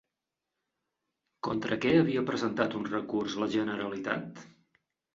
Contra què havia presentat un recurs la Generalitat?